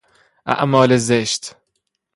اعمال زشت